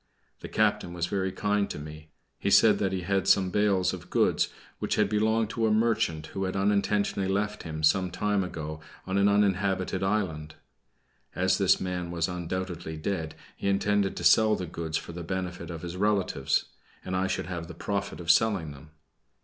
The captain was very kind to me. He said that he had some bales of goods which had belonged to a merchant who had unintentionally left him some time ago on an uninhabited island. As this man was undoubtedly dead, he intended to sell the goods for the benefit of his relatives, and I should have the profit of selling them.